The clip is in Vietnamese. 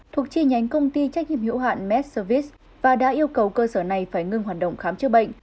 thuộc chi nhánh công ty trách nhiệm hữu hạn mes và đã yêu cầu cơ sở này phải ngưng hoạt động khám chữa bệnh